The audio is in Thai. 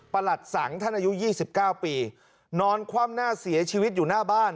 ประหลัดสังภ์ท่านอายุยี่สิบเก้าปีนอนคว่ำหน้าเสียชีวิตอยู่หน้าบ้าน